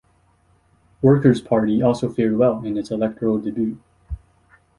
Workers' Party also fared well in its electoral debut.